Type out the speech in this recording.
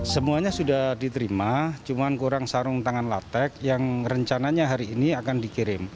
semuanya sudah diterima cuma kurang sarung tangan latek yang rencananya hari ini akan dikirim